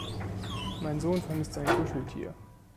Mein Sohn vermisst sein Kuscheltier.